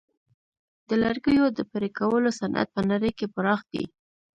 د لرګیو د پرې کولو صنعت په نړۍ کې پراخ دی.